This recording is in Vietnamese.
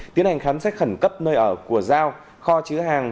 tiến hành khám sách khẩn cấp nơi ở của dao kho chứa hàng